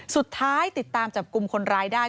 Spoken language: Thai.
สุดท้ายติดตามจากกลุ่มคนร้ายได้